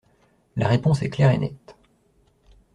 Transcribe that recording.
La réponse est claire et nette.